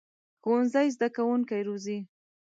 ښوونځی زده کوونکي روزي